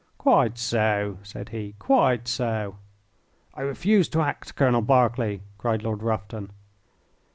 "Quite so," said he; "quite so." "I refuse to act, Colonel Berkeley," cried Lord Rufton.